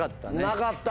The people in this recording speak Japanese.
なかった。